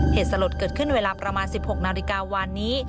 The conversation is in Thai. เหตุสลดเกิดขึ้นเวลาประมาณ๑๖นาฬิกาวานนี้